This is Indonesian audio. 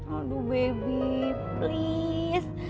aduh bebi please